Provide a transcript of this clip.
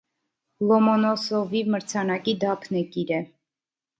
Լոմոնոսովի մրցանակի դափնեկիր է։